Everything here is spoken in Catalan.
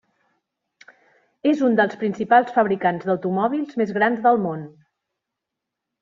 És un dels principals fabricants d'automòbils més gran del món.